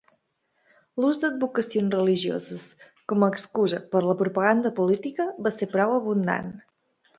L'ús d'advocacions religioses com a excusa per la propaganda política va ser prou abundant.